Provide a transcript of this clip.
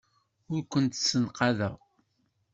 Ur kent-ssenqadeɣ.